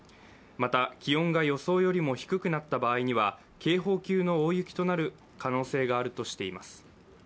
また、気温が予想よりも低くなった場合には警報級の大雪となる可能性があるとしています。